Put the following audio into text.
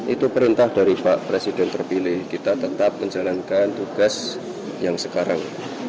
itu perintah dari pak presiden terpilih kita tetap menjalankan tugas yang sekarang